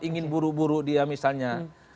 ingin buru buru dia misalnya